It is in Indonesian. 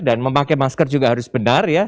dan memakai masker juga harus benar ya